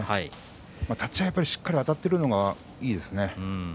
立ち合いしっかりあたっているのがいいですね。